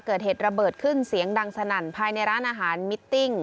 เกิดเหตุระเบิดขึ้นเสียงดังสนั่นภายในร้านอาหารมิตติ้ง